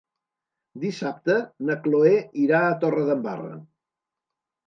Dissabte na Chloé irà a Torredembarra.